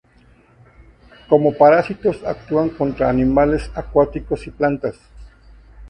Como parásitos actúan contra animales acuáticos y plantas.